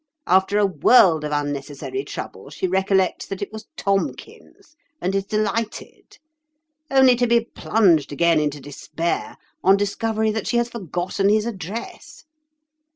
After a world of unnecessary trouble she recollects that it was Tomkins, and is delighted; only to be plunged again into despair on discovery that she has forgotten his address.